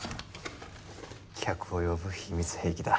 客を呼ぶ秘密兵器だ。